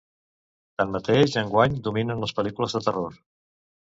Tanmateix, enguany dominen les pel·lícules de terror.